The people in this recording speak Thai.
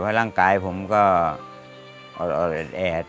เพราะร่างกายผมก็อร่อยแอด